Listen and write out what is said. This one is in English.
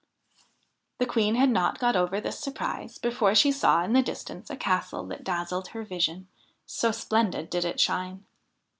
The Queen had not got over this surprise before she saw in the distance a castle that dazzled her vision, so splendid did it shine.